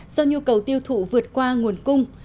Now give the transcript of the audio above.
do nhu cầu tiêu thụ vượt qua nguồn cung